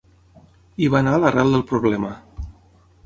I va anar a l’arrel del problema.